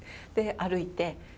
で歩いて。